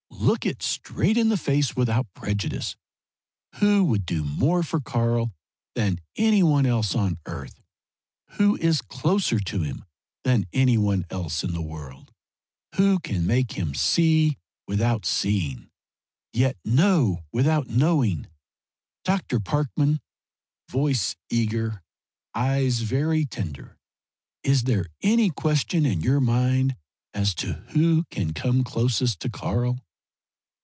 Look it straight in the face without prejudice. Who would do more for Karl than any one else on earth? Who is closer to him than any one else in the world? Who can make him see without seeing? yet, know without knowing? Dr. Parkman," voice eager, eyes very tender "is there any question in your mind as to who can come closest to Karl?"